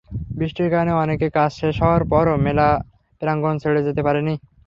বৃষ্টির কারণে অনেকে কাজ শেষ হওয়ার পরও মেলা প্রাঙ্গণ ছেড়ে যেতে পারেননি।